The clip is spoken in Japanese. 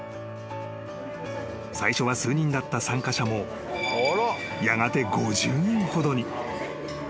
［最初は数人だった参加者もやがて５０人ほどに］